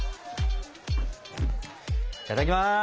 いただきます。